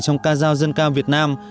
trong ca giao dân ca việt nam